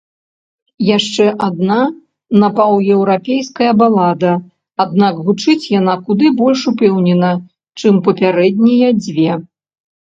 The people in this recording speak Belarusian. Яшчэ адна напаўеўрапейская балада, аднак гучыць яна куды больш упэўнена, чым папярэднія дзве.